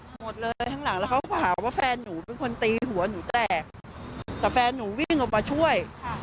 หมดเลยแหล่งก็เขาฝาว่าแฟนหนูตีหัวหนูแตกแฟนหนูวิ่งออกมาช่วย